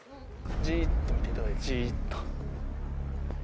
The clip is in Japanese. じっと見ていただいてじっと。